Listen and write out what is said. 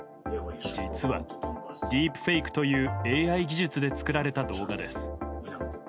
実は、ディープフェイクというＡＩ技術で作られた動画です。